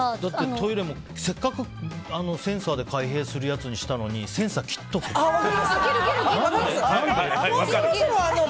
トイレもせっかくセンサーで開閉するのにしたのにセンサー切っておくとか。